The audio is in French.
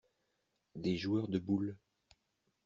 Des joueurs de boules.